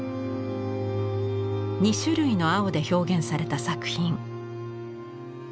２種類の青で表現された作品。